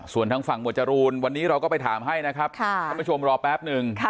ส่วนทางฝั่งหมวดจรูนวันนี้เราก็ไปถามให้นะครับท่านผู้ชมรอแป๊บนึง